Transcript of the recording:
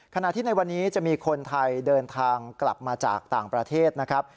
ขณะที่ในวันนี้จะมีคนไทยเดินทางกลับมาจากต่างประเทศนะครับ